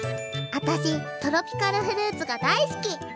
私トロピカルフルーツが大好き！